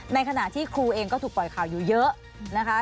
ในขณะที่ครูเองก็ถูกปล่อยข่าวอยู่เยอะนะคะ